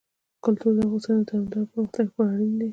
کلتور د افغانستان د دوامداره پرمختګ لپاره اړین دي.